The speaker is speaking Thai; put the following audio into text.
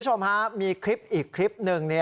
คุณผู้ชมฮะมีคลิปอีกคลิปหนึ่ง